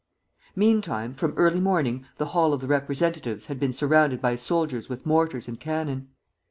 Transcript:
Meantime, from early morning the hall of the representatives had been surrounded by soldiers with mortars and cannon.